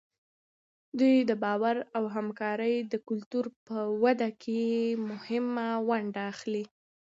دوی د باور او همکارۍ د کلتور په وده کې مهمه ونډه اخلي.